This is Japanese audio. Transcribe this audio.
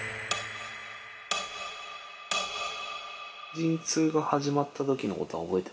陣痛が始まった時の事は覚えてますか？